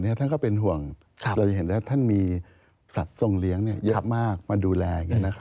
ท่านก็เป็นห่วงเราจะเห็นแล้วท่านมีสัตว์ทรงเลี้ยงเยอะมากมาดูแล